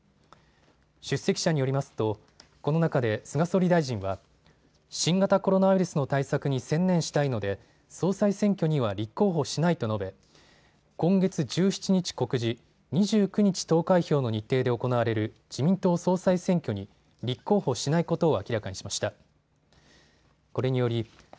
出席者によりますとこの中で菅総理大臣は新型コロナウイルスの対策に専念したいので総裁選挙には立候補しないと述べ今月１７日告示、２９日投開票の日程で行われる自民党総裁選挙に立候補しないことを明らかにしました。